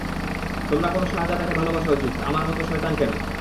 তোমার কোনো শাহজাদাকে ভালোবাসা উচিত, আমার মতো শয়তানকে না।